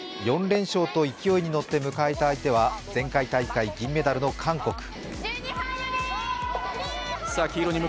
４連勝と勢いに乗って迎えた相手は前回大会銀メダルの韓国。